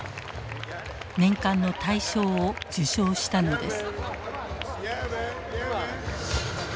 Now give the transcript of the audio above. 年間の大賞を受賞したのです。